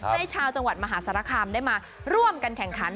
ให้ชาวจังหวัดมหาสารคามได้มาร่วมกันแข่งขัน